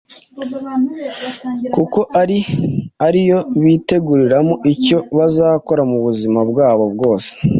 kuko ari yo biteguriramo icyo bazakora mu buzima bwabo bwose.